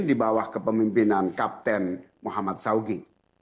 di bawah kepemimpinan kapten muhammad saudi